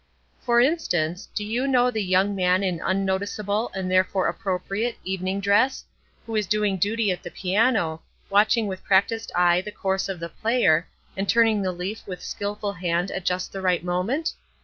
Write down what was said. For instance, do you know the young man in unnoticeable, and therefore appropriate, evening dress, who is doing duty at the piano, watching with practiced eye the course of the player, and turning the leaf with skilful hand at just the right moment?